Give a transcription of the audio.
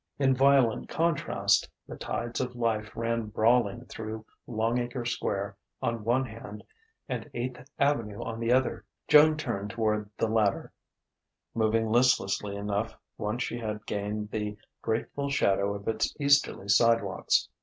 In violent contrast, the tides of life ran brawling through Longacre Square on one hand and Eighth Avenue on the other. Joan turned toward the latter, moving listlessly enough once she had gained the grateful shadow of its easterly sidewalks.